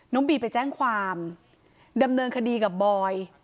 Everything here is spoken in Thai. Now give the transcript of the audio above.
บีไปแจ้งความดำเนินคดีกับบอย